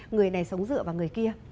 người này sống dựa vào người kia